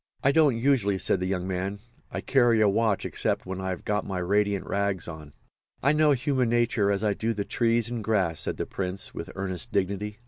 "I don't usually," said the young man. "I carry a watch except when I've got my radiant rags on." "I know human nature as I do the trees and grass," said the Prince, with earnest dignity.